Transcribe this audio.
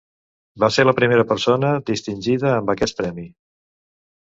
Va ser la primera persona distingida amb aquest premi.